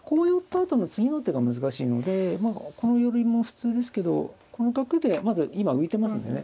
あとの次の手が難しいのでまあこの寄りも普通ですけどこの角でまず今浮いてますんでね。